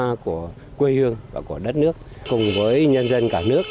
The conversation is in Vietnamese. những cái tinh hoa của quê hương và của đất nước cùng với nhân dân cả nước